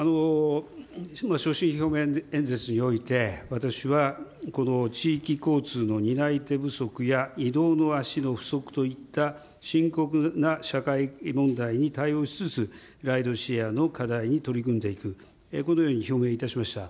所信表明演説において、私は、この地域交通の担い手不足や移動の足の不足といった、深刻な社会問題に対応しつつ、ライドシェアの課題に取り組んでいく、このように表明いたしました。